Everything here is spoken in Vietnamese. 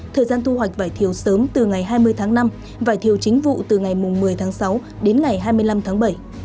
thời gian thu hoạch vải thiều sớm từ ngày hai mươi tháng năm vải thiều chính vụ từ ngày một mươi tháng sáu đến ngày hai mươi năm tháng bảy